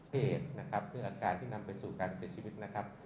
เหตุนะครับเพื่ออาการที่นำไปสู่การเสียชีวิตนะครับ